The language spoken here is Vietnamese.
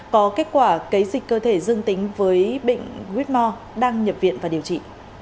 có kết quả kế dịch cơ thể dương tính với bệnh huyết mò đang nhập viện và điều trị